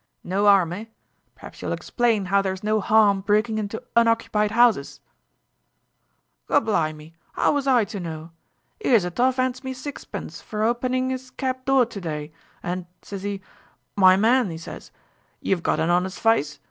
No harm, eh? Perhaps you'll explain how there's no harm breakin' into unoccupied 'ouses?" "Gorblimy, 'ow was I to know? 'Ere's a toff 'ands me sixpence fer hopenin' 'is cab door to dye, an', sezee, 'My man,' 'e sez, 'yer've got a 'onest fyce.